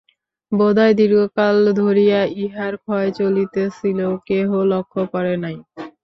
বোধ হয় দীর্ঘকাল ধরিয়া ইহার ক্ষয় চলিতেছিল, কেহ লক্ষ্য করে নাই।